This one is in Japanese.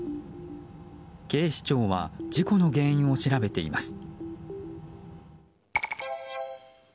警視庁は事故の原因を調べています。